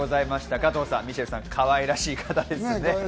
加藤さん、ミシェルさん、かわいらしい方ですよね。